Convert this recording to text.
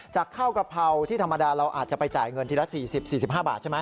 จากข้าวกะเพราที่ธรรมดาเราอาจจะไปจ่ายเงินทีละ๔๐๔๕บาทใช่ไหม